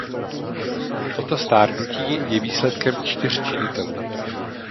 Toto stárnutí je výsledkem čtyř činitelů.